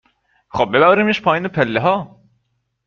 خب ببریمش پایین پله ها